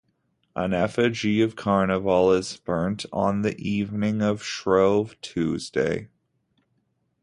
An effigy of Carnival is burnt on the evening of Shrove Tuesday.